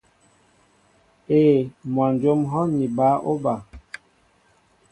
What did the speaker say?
Éē, mwajóm ŋ̀hɔ́ ni bǎ óba.